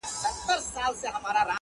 هغه خو دا خبري پټي ساتي!